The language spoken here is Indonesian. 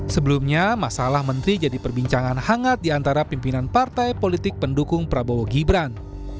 sebelumnya masalah menteri jadi perbincangan hangat di antara pimpinan partai politik pendukung prabowo gibran